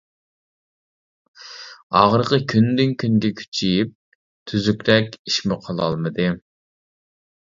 ئاغرىقى كۈندىن-كۈنگە كۈچىيىپ, تۈزۈكرەك ئىشمۇ قىلالمىدى.